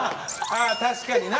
あ確かにな。